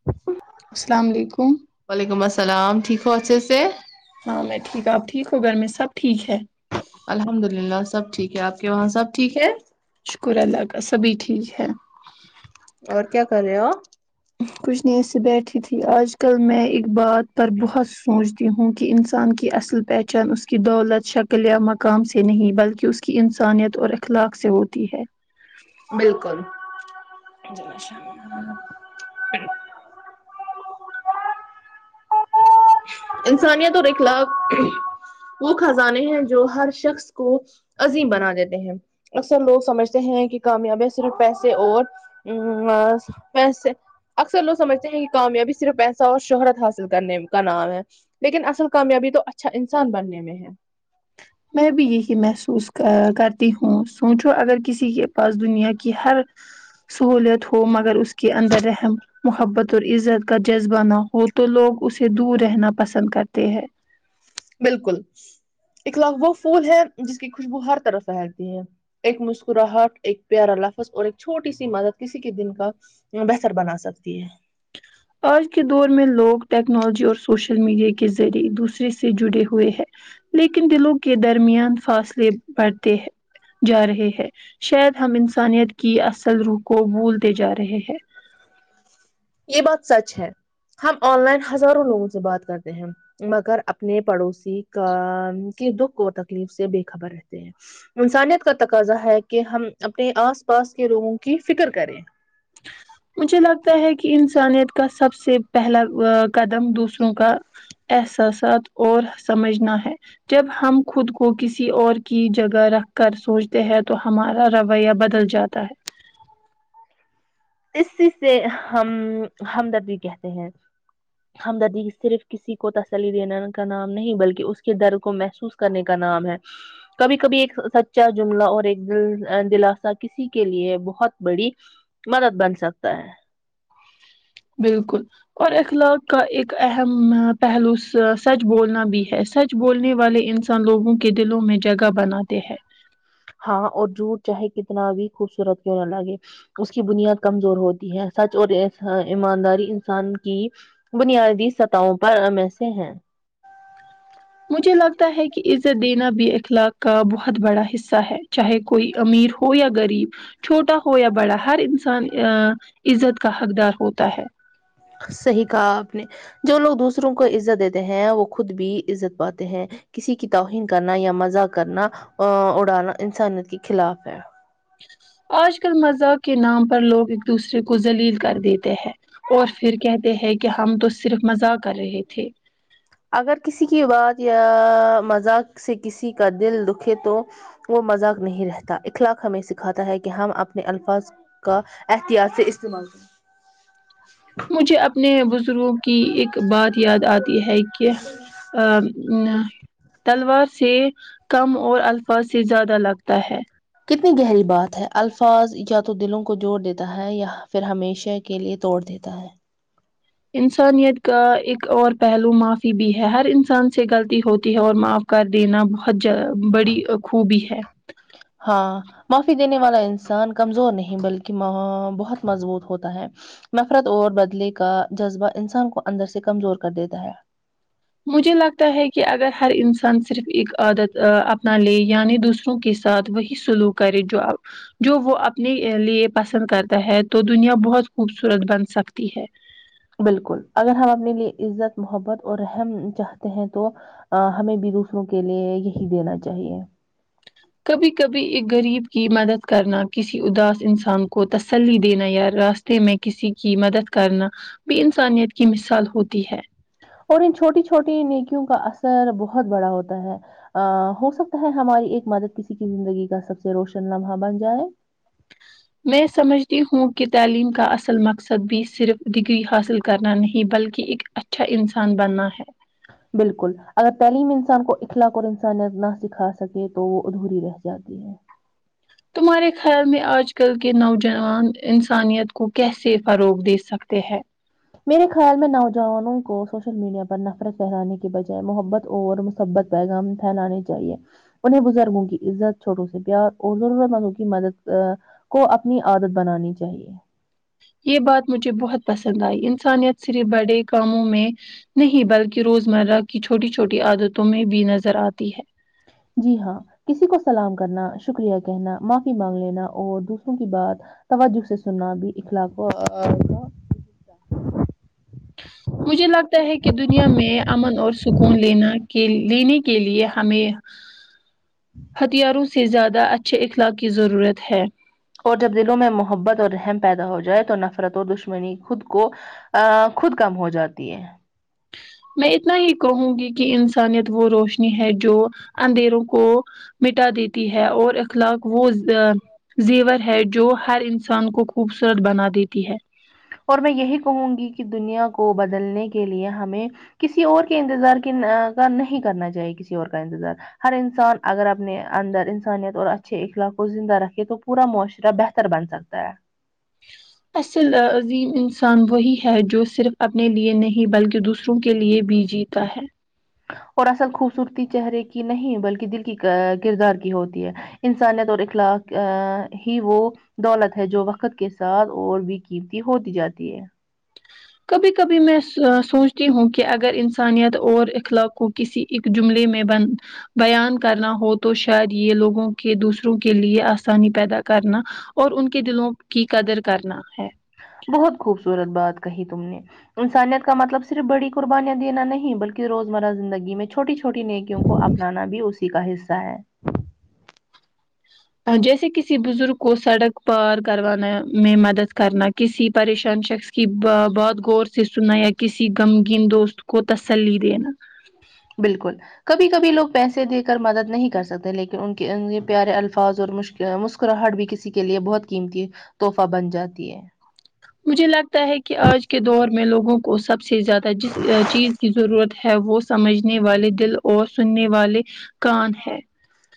[inaudible] اسلام علیکم وعلیکم اسلام ٹھیک ہو اچھے سے ہاں میں ٹھیک ہ آپ ٹھیک ہو گھر میں سب ٹھیک ہے الحمد للہ سب ٹھیک ہے آپ کے وہاں سب ٹھیک ہے شکر اللہ کا سبھی ٹھیک ہے اور کیا کر رہے ہو آپ کچھ دیر سے بیٹھی تھی آج کل میں ایک بات پر بہت سوچ تی ہوں کہ انسان کی اصل پہچان اس کی دولت شکل یا مقام سے نہیں بلکہ اس کی کی انسانیت اور اکھلاک سے ہوتی ہے بلکل انسانیت اور اکھلاک وہ کھزانے ہیں جو ہر شخص کو عظیم بنا دیتے ہیں اکثر لوگ سمجھتے ہیں کہ کامیابیاں صرف پیسے اور ہ ا پیسے اکثر لوگ سمجھتے ہیں کہ کامیابی صرف پیسہ اور شہرت حاصل کرنے کا نام ہے لیکن اصل کامیابی تو اچھا انسان بننے میں ہے میں بھی یہی محسوس ک کرتی ہوں سوچو اگر کسی کے پاس دنیا کی ہر سہولیت ہو مگر اس کے اندر رحم محبت اور عزت کا جذبہ نہ ہو تو لوگ اسے دور رہنا پسند کرتے ہیں بلکل اکھلاق وہ فھول ہے جس کی خوشبو ہر طرف فھلتی ہے ایک مسکراہٹ ایک پیارا لفظ اور ایک چھوٹی سی مدد کسی کے دن کا بہتر بنا سکتی ہے آج کے دور میں لوگ ٹیکنالوجی اور سوشل میڈیا کے ذریع دوسرے سے جڑے ہوئے ہیں لیکن دلوں کے درمیان فاصلے بڑھتے ہیں جا رہے ہیں شاید ہم انسانیت کی اصل روح کو بھولتے جا رہے ہیں یہ بات سچ ہے ہم آن لائن ہزاروں لوگوں سے بات کرتے ہیں مگر اپنے پڑوسی کا کی دکھ اور تکلیف سے بے خبر رہتے ہیں انسانیت کا تقاضا ہے کہ ہم اپنے آس پاس کے لوگوں کی فکر کریں [inaudible] مجھے لگتا ہے کہ انسانیت کا سب سے پہلا قدم دوسروں کا احساسات اور سمجھنا ہے جب ہم خود کو کسی اور کی جگہ رکھ کر سوچتے ہیں تو ہمارا رویہ بدل جاتا ہے اسی سے ہم ہمدر بھی کہتے ہیں ہمدردی صرف کسی کو تسلی دینے کا نام نہیں بلکہ اس کے در کو محسوس کرنے کا نام ہے کبھی کبھی ایک سچا جملہ اور ایک دل دلاسا کسی کے لیے بہت بڑی مدد بن سکتا ہے بالکل اور اخلاق کا ایک اہم پہلوس سچ بولنا بھی ہے اس سچ بولنے والے انسان لوگوں کے دلوں میں جگہ بناتے ہیں ہاں اور جوٹ چاہے کتنا بھی خوبصورت کیوں نہ لگے اس کی بنیاد کمزور ہوتی ہے سچ اور ایمانداری انسان کی بنیادی سطحوں پر ہم میں سےہیں مجھے لگتا ہے کہ عزت دینا بھی اخلاق کا بہت بڑا حصہ ہے چاہے کوئی امیر ہو یا غریب چھوٹا ہو یا بڑا ہر انسان آ عزت کا حقدار ہوتا ہے صحیح کہا آپ نے جو لوگ دوسروں کو عزت دیتے ہیں وہ خود بھی عزت پاتے ہیں کسی کی توہین کرنا یا مزاق کرنا اڑانا انسانیت کے خلاف ہے آج کل مذاق کے نام پر لوگ ایک دوسرے کو ذلیل کر دیتے ہیں اور پھر کہتے ہیں کہ ہم تو صرف مزاق کر رہے تھے اگر کسی کی بات یا آ مذاق سے کسی کا دل دکھے تو وہ مذاق نہیں رہتا اخلاق ہمیں سکھاتا ہے کہ ہم اپنے الفاظ کا احتیاط سے استعمال کر مجھے اپنے بزرگوں کی ایک بات یاد آتی ہے کہ تلوار سے کم اور الفاظ سے زیادہ لگتا ہے کتنی گہری بات ہے الفاظ یا تو دلوں کو جوڑ دیتا ہے یا پھر ہمیشہ کے لیے توڑ دیتا ہے انسانیت کا ایک اور پہلو معافی بھی ہے ہر انسان سے غلطی ہوتی ہے اور معاف کر دینا بہت ج بڑی خوبی ہے ہاں معافی دینے والا انسان کمزور نہیں بلکہ بہت مضبوط ہوتا ہے نفرت اور بدلے کا جذبہ انسان کو اندر سے کمزور کر دیتا ہے مجھے لگتا ہے کہ اگر ہر انسان صرف ایک عادت ا اپنا لے یعنی دوسروں کے ساتھ وہی سلوک کرے جواب جو وہ اپنے لیے پسند کرتا ہے تو دنیا بہت خوبصورت بن سکتی ہے بالکل اگر ہم اپنے لیے عزت محبت اور رحم چاہتے ہیں تو ہمیں بھی دوسروں کے لیے یہی دینا چاہیے کبھی کبھی ایک غریب کی مدد کرنا کسی اداس انسان کو تسلی دینا یا راست راستے میں کسی کی مدد کرنا بھی انسانیت کی مثال ہوتی ہے اور ان چھوٹی چھوٹی نیکیوں کا اثر بہت بڑا ہوتا ہے ا ہو سکتا ہے ہماری ایک مدد کسی کی زندگی کا سب سے روشن لمحہ بن جائے میں سمجھتی ہوں کہ تعلیم کا اصل مقصد بھی صرف ڈگری حاصل کرنا نہیں بلکہ ایک اچھا انسان بننا ہے بالکل اگر تعلیم انسان کو اخلاق اور انسانیت نہ سکھا سکے تو وہ ادھوری رہ جاتی ہے تمہارے خیال میں آج کل کے نوجوان انسانیت کو کیسے فروغ دے سکتے ہیں میرے خیال میں نوجوانوں کو سوشل میڈیا پر نفرت پہلانے کی بجائے محبت اور محبت پیغام پھیلانے چاہیے انہیں بزرگوں کی عزت چھوٹوں سے پیار اور ضرورت مندوں کی مدد کو اپنی عادت بنانی چاہیے یہ بات مجھے بہت پسند آئی انسانیت صرف بڑے کاموں میں نہیں بلکہ روزمرہ کی چھوٹی چھوٹی عادتوں میں بھی نظر آتی ہے جی ہاں کسی کو سلام کرنا شکریہ کہنا معافی مانگ لینا اور دوسروں کی بات توجہ سے سننا بھی اخلاق کو مجھے لگتا ہے کہ دنیا میں امن اور سکون لینا کے لینے کے لیے ہمیں ہتھیاروں سے زیادہ اچھے اخلاق کی ضرورت ہے اور جب دلوں میں محبت اور رحم پیدا ہو جائے تو نفرت اور دشمنی خود کو ا خود کم ہو جاتی ہے میں اتنا ہی کہوں گی کہ انسانیت وہ روشنی ہے جو اندھیروں کو مٹا دیتی ہے اور اخلاق وہ زیور ہے جو ہر انسان کو خوبصورت بنا دیتی ہے اور میں یہی کہوں گی کہ دنیا کو بدلنے کے لیے ہمیں کسی اور کے انتظار کے کا نہیں کرنا چاہیے کسی اور کا انتظار ہر انسان اگر اپنے اندر انسانیت اور اچھے اخلاق کو زندہ رکھے تو پورا معاشرہ بہتر بن سکتا ہے اصل عظیم انسان وہی ہے جو صرف اپنے لیے نہیں بلکہ دوسرا کے لیے بھی جیتا ہے اور اصل خوبصورتی چہرے کی نہیں بلکہ دل کی کردار کی ہوتی ہے انسانیت اور اخلاق ہی وہ دولت ہے جو وقت کے ساتھ اور بھی قیمتی ہوتی جاتی ہے کبھی کبھی میں سوچتی ہوں کہ اگر انسانیت اور اخلاقوں کسی ایک جملے میں بن بیان کرنا ہو تو شاید یہ لوگوں کے دوسروں کے لیے آسانی پیدا کرنا اور ان کے دلوں کی قدر کرنا ہے بہت خوبصورت بات کہی تم نے انسانیت کا مطلب صرف بڑی قربانیاں دینا نہیں بلکہ روزمرہ زندگی میں چھوٹی چھوٹی نیکیوں کو اپنانا بھی اسی کا حصہ ہے جیسے کسی بزرگ کو سڑک پار کروانے میں مدد کرنا کسی پریشان شخص کی بات غور سے سنا یا کسی گم گین دوست کو کو تسلی دینا بالکل کبھی کبھی لوگ پیسے دے کر مدد نہیں کر سکتے لیکن ان کے پیارے الفاظ اور مشکل مسکراہٹ بھی کسی کے لیے بہت قیمتی تحفہ بن جاتی ہے مجھے لگتا ہے کہ آج کے دور میں لوگوں کو سب سے زیادہ جس چیز کی ضرورت ہے وہ سمجھنے والے دل اور سننے والے کان ہیں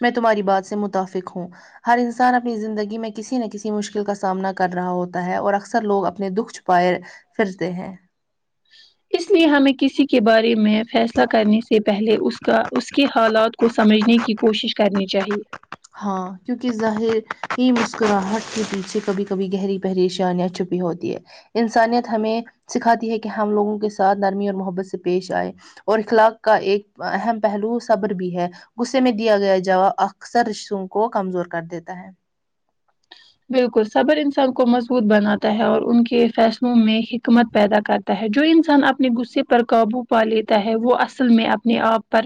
میں تمہاری بات سے متفق ہوں ہر انسان اپنی زندگی میں کسی نہ کسی مشکل کا سامنا کر رہا ہوتا ہے اور اکثر لوگ اپنے دکھ پائر پھرتے ہیں اس لیے ہمیں کسی کے بارے میں فیصلہ کرنے سے پہلے اس کا اس کے حالات کو سمجھنے کی کوشش کرنی چاہیے ہاں کیونکہ ظاہر مسکراہٹ کے پیچھے کبھی کبھی گہری پریشانیاں چھپی ہوتی ہے انسانیت ہمیں سکھاتی ہے کہ ہم لوگوں کے ساتھ نرمی اور محبت سے پیش آئے اور اخلاق کا ایک اہم پہلو صبر بھی ہے غصے میں دیا گیا جواب اکثر رشتو کو کمزور کر دیتا ہے بالکل صبر انسان کو مضبوط بناتا ہے اور ان کے فیصلوں میں حکمت پیدا کرتا جو انسان اپنے غصے پر قابو پا لیتا ہے وہ اصل میں اپنے آپ پر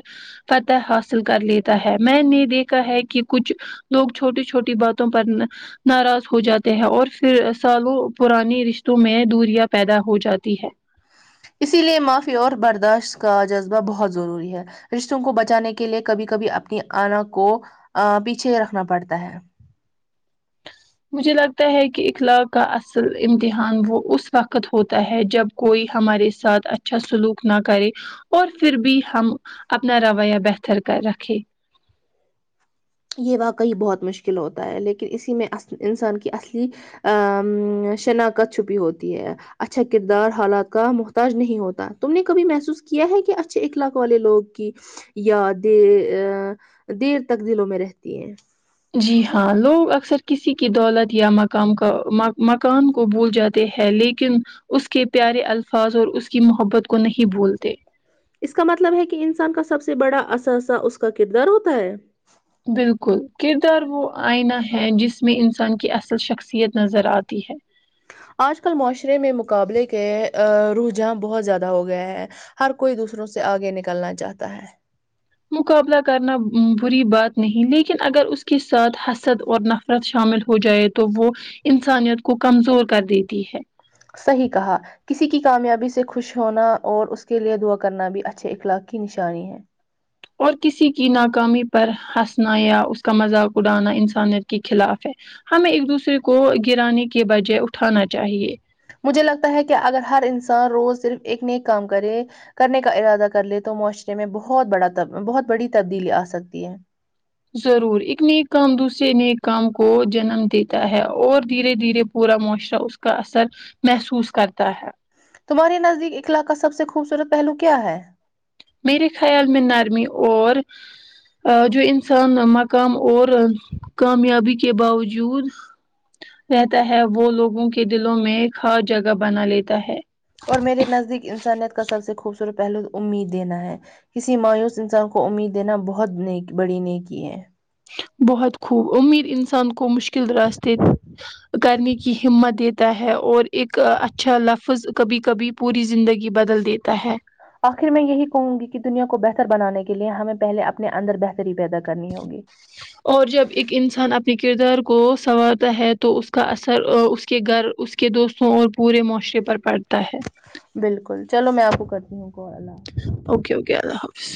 پتہ حاصل کر لیتا ہے میں نے دیکھا ہے کہ کچھ لوگ چھوٹی چھوٹی باتوں پر ناراض ہو جاتے ہیں اور پھر سالوں پرانی رشتوں میں دوریا پیدا ہو جاتی ہے اسی لیے معافی اور برداشت کا جذبہ بہت ضروری ہے رشتوں کو بچانے کے لیے کبھی کبھی اپنی آنا کو پیچھے رکھنا پڑتا ہے مجھے لگتا ہے کہ اخلاق کا اصل امتحان وہ اس وقت ہوتا ہے جب کوئی ہمارے ساتھ اچھا سلوک نہ کرے اور پھر بھی ہم اپنا رویہ بہتر کر رکھے یہ واقعی بہت مشکل ہوتا ہے لیکن اسی میں انسان کی اصلی ا شناخت چھپی ہوتی ہے اچھا کردار حالات کا محتاج نہیں ہوتا تم نے کبھی محسوس کیا ہے کہ اچھے اخلاق والے لوگ کی یا د دیر تک دلوں میں رہتی ہیں جی ہاں لوگ اکثر کسی کی دولت یا مقام کا مکا مکان کو بھول جاتے تے ہیں لیکن اس کے پیارے الفاظ اور اس کی محبت کو نہیں بولتے اس کا مطلب ہے کہ انسان کا سب سے بڑا اثاثہ اس کا کردار ہوتا ہے بالکل کردار وہ آئینہ ہے جس میں انسان کی اصل شخصیت نظر آتی ہے آج کل معاشرے میں مقابلے کے رحجان بہت زیادہ ہو گیا ہے ہر کوئی دوسروں سے آگے نکلنا چاہتا ہے مقابلہ کرنا بری بات نہیں لیکن اگر اس کے ساتھ حسد اور نف شامل ہو جائے تو وہ انسانیت کو کمزور کر دیتی ہے صحیح کہا کسی کی کامیابی سے خوش ہونا اور اس کے لیئے دعا کرنا بھی اچھے اخلاق کی نشانی ہے اور کسی کی ناکامی پر ہنسنا یا اس کا مذاق اڑانا انسانیت کے خلاف ہے ہمیں ایک دوسرے کو گرانے کے بجائے اٹھانا چاہیے مجھے لگتا ہے کہ اگر ہر انسان روز صرف ایک ن ایک کام کرے کرنے کا ارادہ کر لے تو معاشرے میں بہت بڑا بہت بڑی تبدیلی آ سکتی ہے ضرور ایک نیک کام دوسرے نیک کام کو جنم دیتا ہے اور دھیرے دھیرے پورا معاشرہ اس کا اثر محسوس کرتا ہے تمہاراریے نزدیک اخلاق کا سب سے خوبصورت پہلو کیا ہے میرے خیال میں نرمی اور ا جو انسان مقام اور کامیابی کے باوجود رہتا ہے وہ لوگوں کے دلوں میں ہر جگہ بنا لیتا ہے اور میرے نزدیک انسانیت کا سب سے خوبصورت پہلو امید دینا ہے کسی مایوس انسان کو امید دینا بہت بڑی ن کی ہے بہت خوب امید انسان کو مشکل راستے کرنے کی ہمت دی ہے اور ایک اچھا لفظ کبھی کبھی پوری زندگی بدل دیتا ہے آخر میں یہی کہوں گی کہ دنیا کو بہتر بنانے کے لیے ہمیں پہلے اپنے اندر بہتری پیدا کرنی ہوگی اور جب ایک انسان اپنے کردار کو سنوارتا ہے تو اس کا اثر اس کے گھر اس کے کے دوستوں اور پورے معاشرے پر پڑتا ہے بالکل چلو میں آپ کو کرتی ہوں کال اوکے اوکے اللہ حافظ